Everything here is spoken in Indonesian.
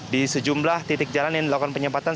di sejumlah titik jalan yang dilakukan penyempatan